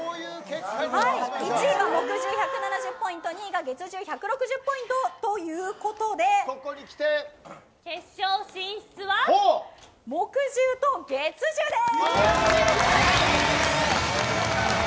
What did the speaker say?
１位が木１０１７０ポイントで２位は月１０で１６０ポイントということで木１０と月１０です。